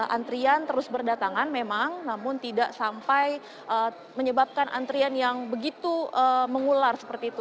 antrian terus berdatangan memang namun tidak sampai menyebabkan antrian yang begitu mengular seperti itu